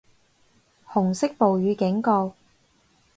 紅色暴雨警告